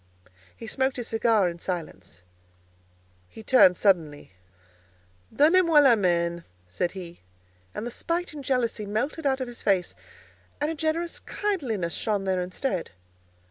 He smoked his cigar in silence. He turned suddenly. "Donnez moi la main," said he, and the spite and jealousy melted out of his face, and a generous kindliness shone there instead.